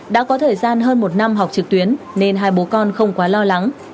đã có thời gian hơn một năm học trực tuyến nên hai bố con không quá lo lắng